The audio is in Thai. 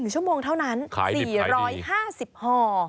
ชั่วโมงเท่านั้น๔๕๐ห่อ